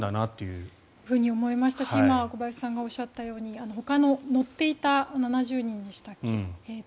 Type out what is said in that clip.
そう思いましたし小林さんがおっしゃったようにほかの乗っていた７０人でしたっけ